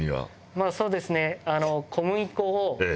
まあそうですね。